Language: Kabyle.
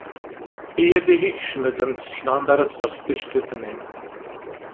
Yya-d ihi kcem-d, ad am-d-sekneɣ anda ara tserseḍ iceṭṭiḍen-im.